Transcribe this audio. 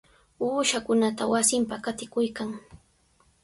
Uushankunata wasinpa qatikuykan.